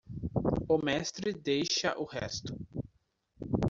O mestre deixa o resto.